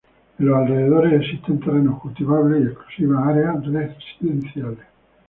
En los alrededores existen terrenos cultivables y exclusivas áreas residenciales.